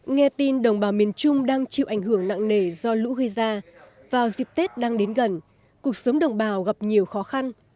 nghe tin đồng bào miền trung đang chịu ảnh hưởng nặng nề do lũ gây ra vào dịp tết đang đến gần cuộc sống đồng bào gặp nhiều khó khăn